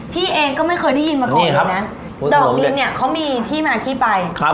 พี่เองก็ไม่เคยได้ยินมาก่อนนะดอกดินมีที่มาที่ไป